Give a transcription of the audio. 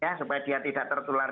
ya supaya dia tidak tertular